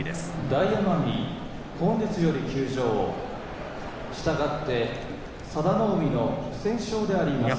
大奄美本日休場、したがって佐田の海の不戦勝であります。